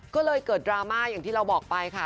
ก็เลยเกิดดราม่าอย่างที่เราบอกไปค่ะ